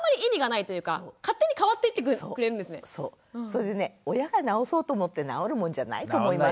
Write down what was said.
それでね親が直そうと思って直るもんじゃないと思いません？